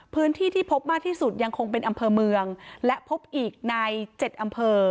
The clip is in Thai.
ที่พบมากที่สุดยังคงเป็นอำเภอเมืองและพบอีกใน๗อำเภอ